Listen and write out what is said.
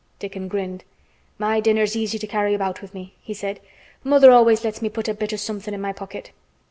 Dickon grinned. "My dinner's easy to carry about with me," he said. "Mother always lets me put a bit o' somethin' in my pocket."